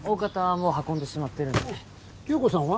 もう運んでしまってるのでおう響子さんは？